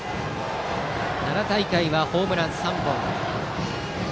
奈良大会はホームラン３本。